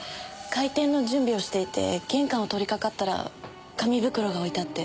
開店の準備をしていて玄関を通りかかったら紙袋が置いてあって。